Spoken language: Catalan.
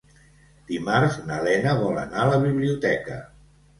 Dimarts na Lena vol anar a la biblioteca.